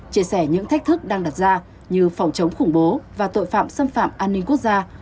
chia sẻ những thách thức đang đặt ra như phòng chống khủng bố và tội phạm xâm phạm an ninh quốc gia